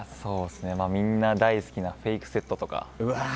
みんな大好きなフェイクセットとか。